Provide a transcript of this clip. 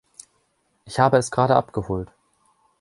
Ich habe es gerade abgeholt.